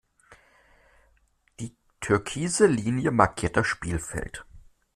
Die türkise Linie markiert das Spielfeld.